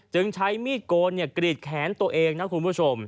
ใช้มีดโกนกรีดแขนตัวเองนะคุณผู้ชม